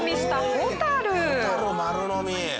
ホタル丸のみ！